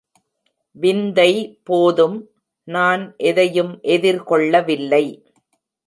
விந்தை போதும், நான் எதையும் எதிர்கொள்ளவில்லை.